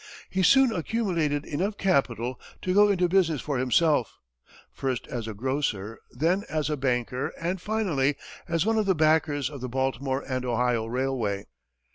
He soon accumulated enough capital to go into business for himself, first as a grocer, then as a banker, and finally as one of the backers of the Baltimore & Ohio Railway.